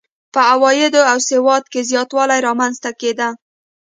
په عوایدو او سواد کې زیاتوالی رامنځته کېده.